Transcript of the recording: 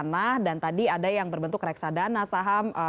ada yang berbentuk tanah dan tadi ada yang berbentuk reksadana saham